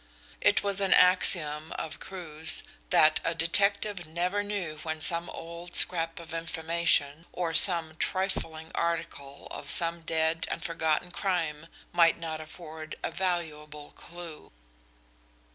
It was an axiom of Crewe's that a detective never knew when some old scrap of information or some trifling article of some dead and forgotten crime might not afford a valuable clue.